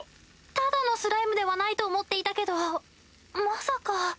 ただのスライムではないと思っていたけどまさか。